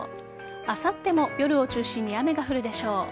あさっても夜を中心に雨が降るでしょう。